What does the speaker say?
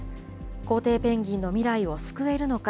コウテイペンギンの未来を救えるのか。